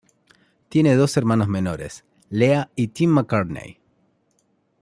Tiene dos hermanos menores, Lea y Tim McCartney.